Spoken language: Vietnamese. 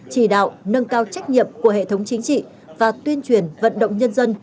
chỉ đạo nâng cao trách nhiệm của hệ thống chính trị và tuyên truyền vận động nhân dân